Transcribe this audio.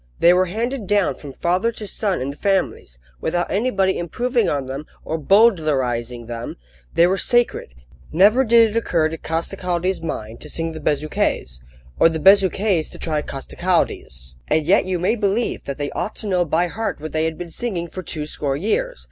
They were handed down from father to son in the families, without anybody improving on them or bowdlerising them: they were sacred. Never did it occur to Costecalde's mind to sing the Bezuquets', or the Bezuquets to try Costecalde's. And yet you may believe that they ought to know by heart what they had been singing for two score years!